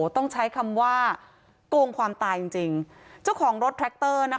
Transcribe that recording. ต้องใช้คำว่าโกงความตายจริงจริงเจ้าของรถแทรคเตอร์นะคะ